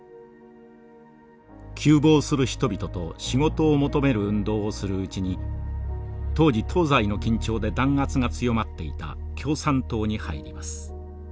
窮乏する人々と仕事を求める運動をするうちに当時東西の緊張で弾圧が強まっていた共産党に入ります。